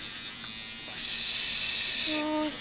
よし。